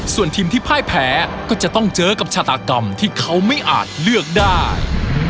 ส่วนทีมที่พ่ายแพ้ก็จะต้องเจอกับชาตากรรมที่เขาไม่อาจเลือกได้